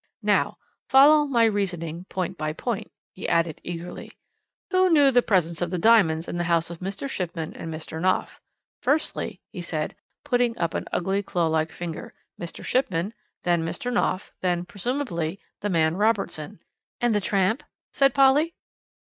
"Now, follow my reasoning, point by point," he added eagerly. "Who knew of the presence of the diamonds in the house of Mr. Shipman and Mr. Knopf? Firstly," he said, putting up an ugly claw like finger, "Mr. Shipman, then Mr. Knopf, then, presumably, the man Robertson." "And the tramp?" said Polly.